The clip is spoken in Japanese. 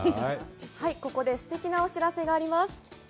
ここですてきなお知らせがあります。